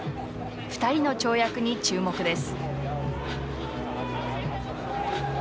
２人の跳躍に注目です。